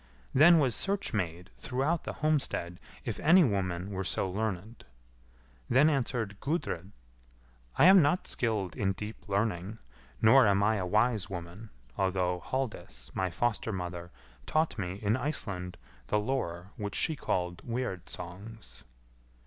Then was search made throughout the homestead if any woman were so learned. Then answered Gudrid, "I am not skilled in deep learning, nor am I a wise woman, although Halldis, my foster mother, taught me, in Iceland, the lore which she called Weird songs."